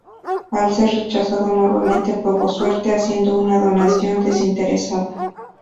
Al ser rechazado nuevamente, probó suerte haciendo una donación desinteresada.